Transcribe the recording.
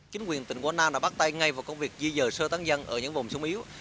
chính quyền tỉnh quảng nam đã bắt tay ngay vào công việc di dời sơ tán dân ở những vùng sung yếu